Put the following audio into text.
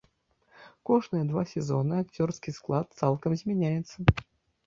Кожныя два сезоны акцёрскі склад цалкам змяняецца.